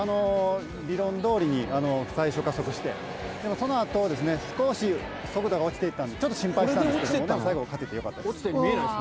理論通りに最初加速してその後少し速度が落ちたんでちょっと心配したんですけど最後勝ててよかったです。